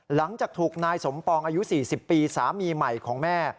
หลังจากถูกนายสมปองอายุ๔๐ปีสามีใหม่ของแม่